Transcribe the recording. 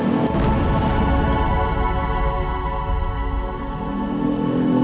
aku ingin semua perbuatan kamu